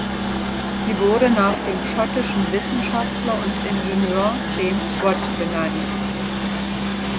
Sie wurde nach dem schottischen Wissenschaftler und Ingenieur James Watt benannt.